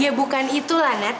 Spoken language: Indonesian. iya bukan itu lanet